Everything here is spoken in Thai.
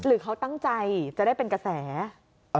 หรือเขาตั้งใจจะได้เป็นกระแส